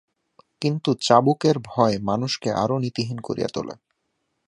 কিন্তু চাবুকের ভয় মানুষকে আরও নীতিহীন করিয়া তোলে।